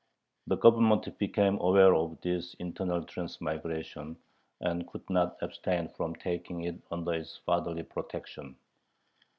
The Government became aware of this internal transmigration, and could not abstain from taking it under its fatherly protection.